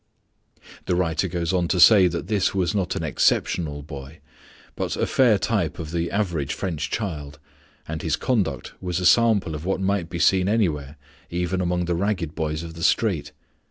The writer goes on to say that this was not an exceptional boy, but a fair type of the average French child, and his conduct was a sample of what might be seen anywhere, even among the ragged boys of the street.